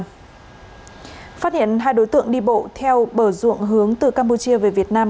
phát hiện hai đối tượng đi bộ theo bờ ruộng hướng từ campuchia về việt nam